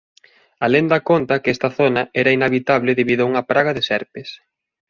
A lenda conta que esta zona era inhabitable debido a unha praga de serpes.